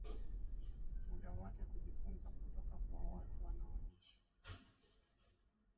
muda wake kujifunza kutoka kwa watu wanaoishi